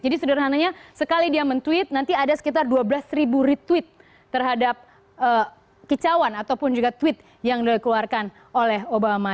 jadi sederhananya sekali dia men tweet nanti ada sekitar dua belas retweet terhadap kecauan ataupun juga tweet yang dikeluarkan oleh obama